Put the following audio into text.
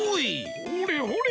ほれほれ